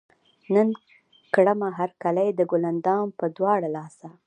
نن کړمه هر کلے د ګل اندام پۀ دواړه لاسه